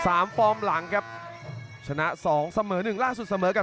ไม่ซ้ำนะครับที่ดูนะครับผมสุดท้ายผมดูสักเดือนแล้วครับ